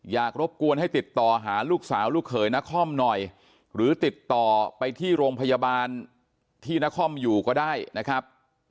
รบกวนให้ติดต่อหาลูกสาวลูกเขยนครหน่อยหรือติดต่อไปที่โรงพยาบาลที่นครอยู่ก็ได้นะครับ